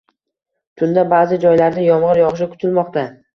Tunda baʼzi joylarda yomgʻir yogʻishi kutilmoqda.